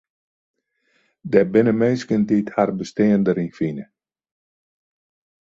Der binne minsken dy't har bestean deryn fine.